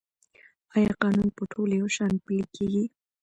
آیا قانون په ټولو یو شان پلی کیږي؟